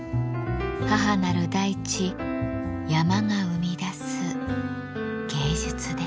母なる大地山が生み出す芸術です。